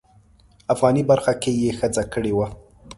افغاني برخه کې یې ښځه کړې وه.